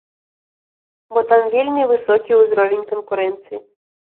Бо там вельмі высокі ўзровень канкурэнцыі.